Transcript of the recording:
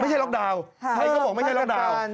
ล็อกดาวน์ใครก็บอกไม่ใช่ล็อกดาวน์